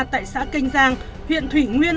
tại xã kênh giang huyện thủy nguyên